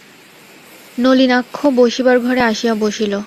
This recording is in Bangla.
নলিনাক্ষ বসিবার ঘরে আসিয়া বসিল।